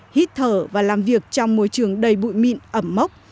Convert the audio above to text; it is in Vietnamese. hít thở và làm việc trong môi trường đầy bụi mịn ẩm mốc